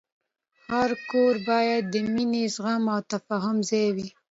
هر کور باید د مینې، زغم، او تفاهم ځای وي.